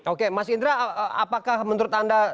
oke mas indra apakah menurut anda